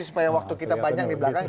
supaya waktu kita panjang di belakang